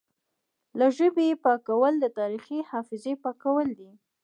له ژبې یې پاکول د تاریخي حافظې پاکول دي